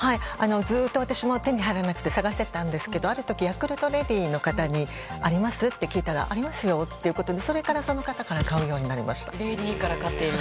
ずっと私も手に入らなくて探していたんですがある時、ヤクルトレディの方にあります？って聞いたらありますよって言われてそれから、その方から買うようになりました。